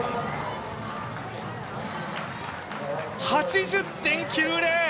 ８０．９０！